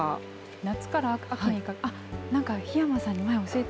夏から秋にかけて？